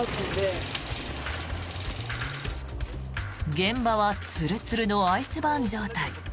現場はツルツルのアイスバーン状態。